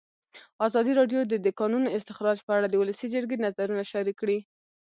ازادي راډیو د د کانونو استخراج په اړه د ولسي جرګې نظرونه شریک کړي.